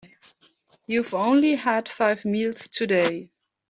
You've only had five meals today.